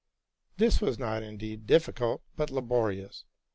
This was not indeed difficult, but labo rious.